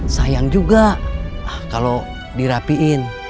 sayang juga kalau dirapiin